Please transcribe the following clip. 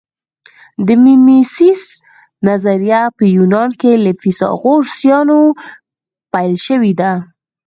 د میمیسیس نظریه په یونان کې له فیثاغورثیانو پیل شوې ده